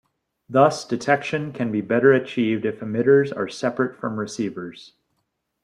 Thus, detection can be better achieved if emitters are separate from receivers.